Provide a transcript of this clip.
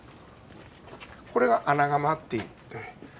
これが穴窯っていって。